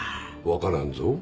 分からんぞ？